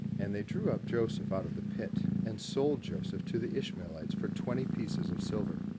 And they drew up Joseph out of the pit, and sold Joseph to the Ishmaelites for twenty pieces of silver.